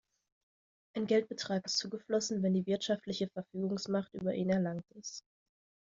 Ein Geldbetrag ist zugeflossen, wenn die wirtschaftliche Verfügungsmacht über ihn erlangt ist.